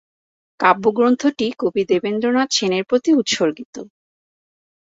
কাব্যগ্রন্থটি কবি দেবেন্দ্রনাথ সেনের প্রতি উৎসর্গিত।